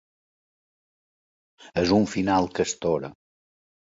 És un final que astora.